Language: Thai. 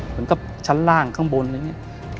เหมือนกับชั้นล่างข้างบนอะไรอย่างนี้